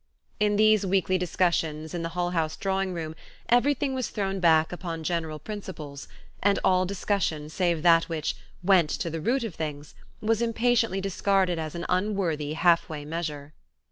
In these weekly discussions in the Hull House drawing room everything was thrown back upon general principles and all discussion save that which "went to the root of things," was impatiently discarded as an unworthy, halfway measure.